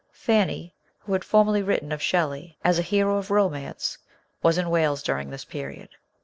Fanny, who had formerly written of Shelley as a hero of romance, was in Wales during this period.